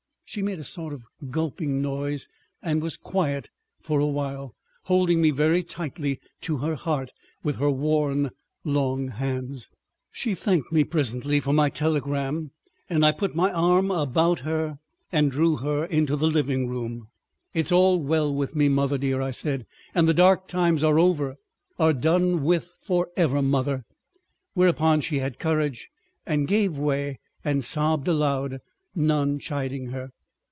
She made a sort of gulping noise and was quiet for a while, holding me very tightly to her heart with her worn, long hands ... She thanked me presently for my telegram, and I put my arm about her and drew her into the living room. "It's all well with me, mother dear," I said, "and the dark times are over—are done with for ever, mother." Whereupon she had courage and gave way and sobbed aloud, none chiding her.